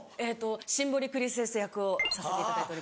シンボリクリスエス役をさせていただいております。